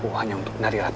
sekarang saling jelas